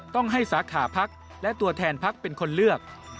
ต้องให้สาขาพักและตัวแทนพักเป็นคนเลือก